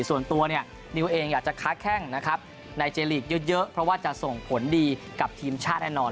ส่วนตัวเนี่ยนิวเองอยากจะค้าแข้งนะครับในเจลีกเยอะเพราะว่าจะส่งผลดีกับทีมชาติแน่นอน